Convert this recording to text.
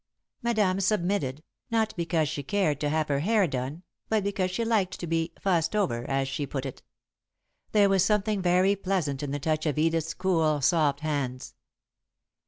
Madame submitted, not because she cared to have her hair done, but because she liked to be "fussed over," as she put it. There was something very pleasant in the touch of Edith's cool, soft hands.